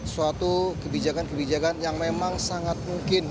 suatu kebijakan kebijakan yang memang sangat mungkin